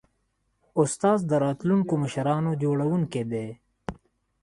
استاد د راتلونکو مشرانو جوړوونکی دی.